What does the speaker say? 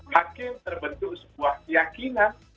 hakim terbentuk sebuah keyakinan